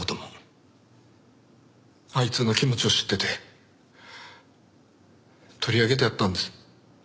あいつの気持ちを知ってて取り上げてやったんです。